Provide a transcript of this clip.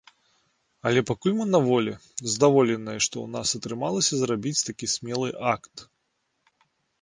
Але пакуль мы на волі, задаволеныя, што ў нас атрымалася зрабіць такі смелы акт.